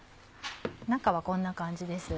中はこんな感じです。